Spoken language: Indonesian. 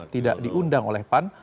tidak diundang oleh pan